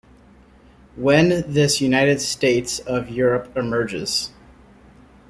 When this United States of Europe emerges...